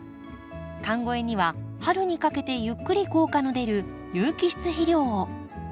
寒肥には春にかけてゆっくり効果の出る有機質肥料を。